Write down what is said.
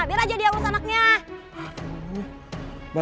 biar aja dia harus anaknya